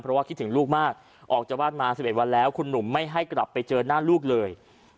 เพราะว่าคิดถึงลูกมากออกจากบ้านมา๑๑วันแล้วคุณหนุ่มไม่ให้กลับไปเจอหน้าลูกเลย